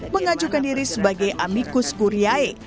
mengajukan diri sebagai amikus guriyai